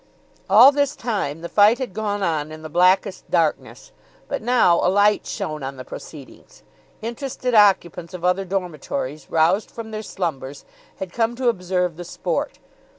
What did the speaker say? All this time the fight had gone on in the blackest darkness, but now a light shone on the proceedings. Interested occupants of other dormitories, roused from their slumbers, had come to observe the sport.